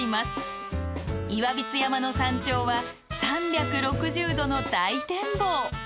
岩櫃山の山頂は３６０度の大展望。